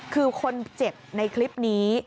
คือคนเจ็บในคลิปนี้